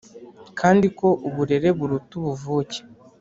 kandi ko uburereburuta ubuvuke.